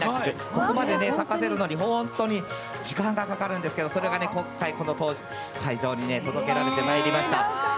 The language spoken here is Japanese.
ここまで咲かせるのに時間がかかるんですけどそれが今回、この会場に届けられてまいりました。